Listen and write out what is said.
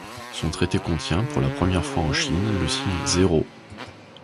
Son traité contient, pour la première fois en Chine, le signe zéro.